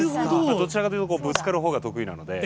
どちらかというと、ぶつかるほうが得意なので。